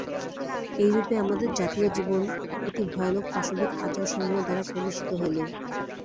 এইরূপে আমাদের জাতীয় জীবন অতি ভয়ানক পাশবিক আচারসমূহ দ্বারা কলুষিত হইল।